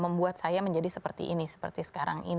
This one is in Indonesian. membuat saya menjadi seperti ini seperti sekarang ini